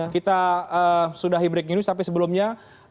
kita sudah hi breaking ini sampai sebelumnya